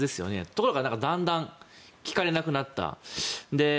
ところがだんだん聞かれなくなった。